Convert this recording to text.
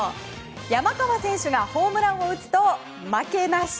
山川選手がホームランを打つと負けなし。